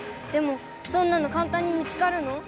でもそんなのかんたんに見つかるの？